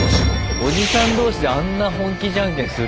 おじさん同士であんな本気じゃんけんする？